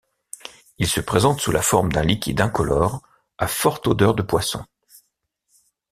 Il se présente sous la forme d'un liquide incolore à forte odeur de poisson.